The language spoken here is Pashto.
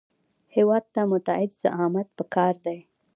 هېواد ته متعهد زعامت پکار دی